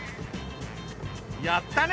やったね。